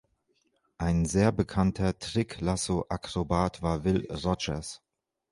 Ein sehr bekannter Trick-Lasso-Akrobat war Will Rogers.